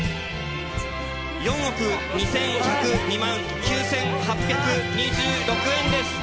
４億２１０２万９８２６円です。